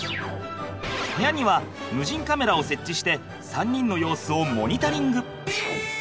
部屋には無人カメラを設置して３人の様子をモニタリング。